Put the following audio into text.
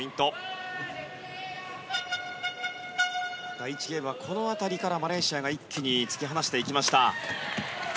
第１ゲームはこの辺りからマレーシアが一気に突き放していきました。